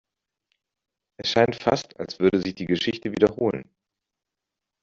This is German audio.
Es scheint fast, als würde sich die Geschichte wiederholen.